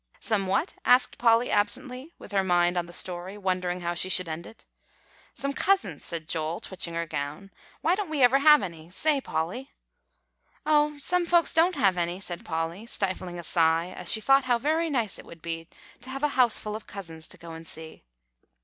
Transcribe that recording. "Some what?" asked Polly absently, with her mind on the story, wondering how she should end it. "Some cousins," said Joel, twitching her gown. "Why don't we ever have any; say, Polly?" "Oh, some folks don't have any," said Polly, stifling a sigh as she thought how very nice it would be to have a houseful of cousins to go and see.